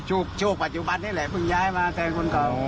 โชคลปัจจุบันพึ่งย้ายมาแสนคนขอ